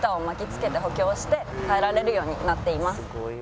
耐えられるようになっています。